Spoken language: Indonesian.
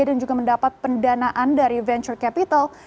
dan juga mendapat pendanaan dari venture capital